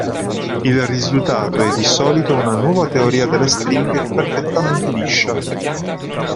Il risultato è di solito una nuova teoria delle stringhe, perfettamente liscia.